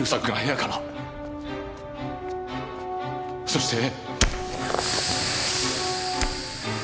そして。